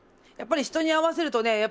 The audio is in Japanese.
やっぱり人に合わせるとね